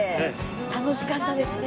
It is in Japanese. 楽しかったですね。